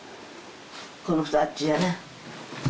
このふたあっちやなあ